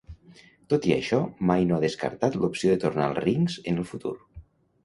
Tot i això, mai no ha descartat l'opció de tornar als rings en el futur.